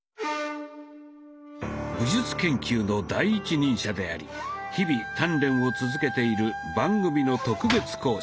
武術研究の第一人者であり日々鍛錬を続けている番組の特別講師